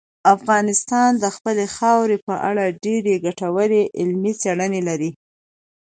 افغانستان د خپلې خاورې په اړه ډېرې ګټورې علمي څېړنې لري.